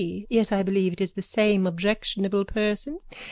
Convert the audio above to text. Yes, I believe it is the same objectionable person.